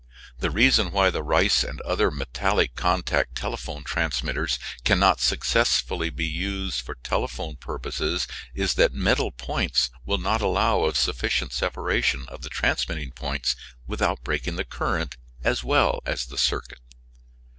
The reason why the Reiss and other metallic contact telephone transmitters cannot successfully be used for telephone purposes is that metal points will not allow of sufficient separation of the transmitting points without breaking the current as well as the circuit.